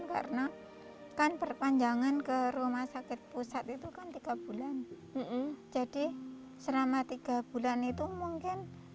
karena kan perpanjangan ke rumah sakit pusat itu kan tiga bulan jadi selama tiga bulan itu mungkin